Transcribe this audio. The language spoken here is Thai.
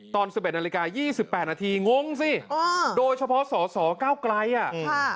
ตอน๑๑นาฬิกา๒๘นาทีงงสิโดยเฉพาะสอสอก้าวไกลอ่ะค่ะ